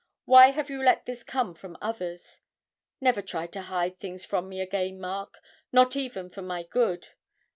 Why have you let this come from others? Never try to hide things from me again, Mark not even for my good!